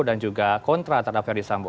dan juga kontra terhadap ferdisambo